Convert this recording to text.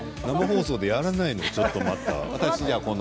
生放送でやらないのよちょっと待ったは。